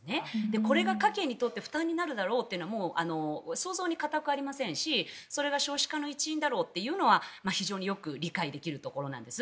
これが家計にとって負担になるだろうというのは想像に難くありませんしそれが少子化の一因だろうというのは非常によく理解できるところなんです。